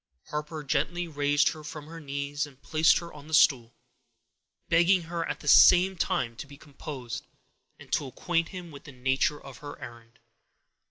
Harper gently raised her from her knees, and placed her on the stool, begging her at the same time to be composed, and to acquaint him with the nature of her errand.